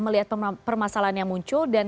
melihat permasalahan yang muncul dan